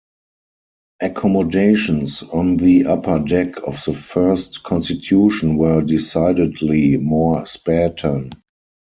Accommodations on the upper deck of the first Constitution were decidedly more spartan.